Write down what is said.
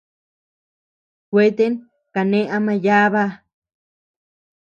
Kueten kane ama yába.